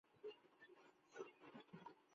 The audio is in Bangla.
এরূপ ব্যক্তিগণই খ্রীষ্ট ও বুদ্ধ-সকলের নির্মাতা।